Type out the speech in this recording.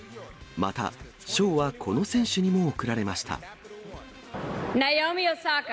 また、賞はこの選手にも贈られました。